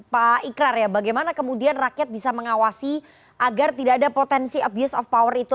pak ikrar ya bagaimana kemudian rakyat bisa mengawasi agar tidak ada potensi abuse of power itu